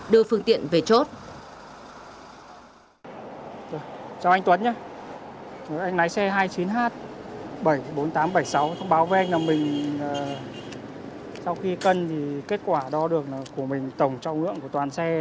đưa phương tiện về chốt